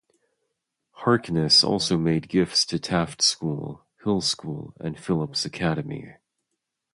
Harkness also made gifts to Taft School, Hill School and Phillips Academy.